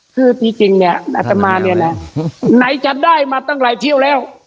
คือที่จริงฮี่หาจะมาเนี่ยนะไหนจะได้มาตั้งไหลเที่ยวแล้ว